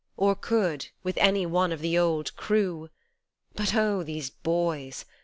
Or could with any one of the old crew, But oh ! these boys !